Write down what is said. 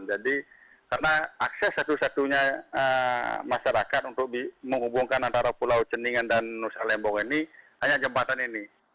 jadi karena akses satu satunya masyarakat untuk menghubungkan antara pulau ceningan dan nusa lembong ini hanya jembatan ini